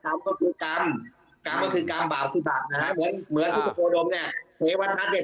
ทางแต่กำก็คืออาการก็คือกำบาลบาลเหมือนพุทธโคนมเนี่ย